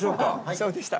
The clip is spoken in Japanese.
そうでした。